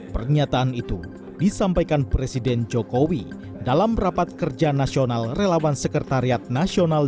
pernyataan itu disampaikan presiden jokowi dalam rapat kerja nasional relawan sekretariat nasional